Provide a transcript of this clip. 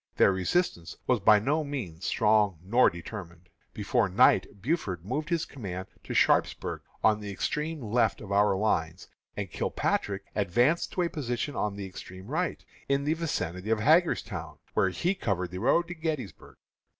Their resistance was by no means strong nor determined. Before night Buford moved his command to Sharpsburg, on the extreme left of our lines, and Kilpatrick advanced to a position on the extreme right, in the vicinity of Hagerstown, where he covered the road to Gettysburg.